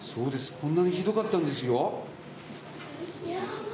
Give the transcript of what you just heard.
こんなにひどかったんですよ。